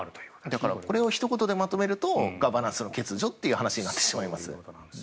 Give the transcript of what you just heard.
だからこれをひと言でまとめるとガバナンスの欠如となってしまいます。